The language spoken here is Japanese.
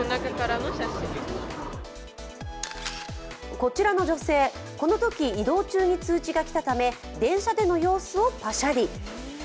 こちらの女性、このとき移動中に通知が来たため電車での様子をパシャリ。